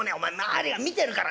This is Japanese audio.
周りが見てるから」。